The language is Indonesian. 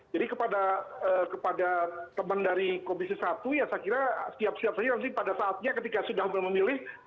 jadi kepada teman dari komisi satu saya kira setiap setiap hari nanti pada saatnya ketika sudah memilih